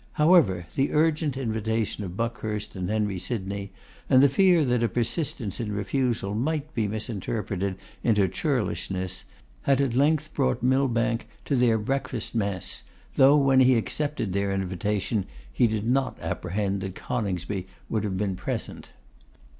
However, the urgent invitation of Buckhurst and Henry Sydney, and the fear that a persistence in refusal might be misinterpreted into churlishness, had at length brought Millbank to their breakfast mess, though, when he accepted their invitation, he did not apprehend that Coningsby would have been present.